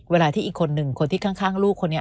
เวลาที่อีกคนหนึ่งคนที่ข้างลูกคนนี้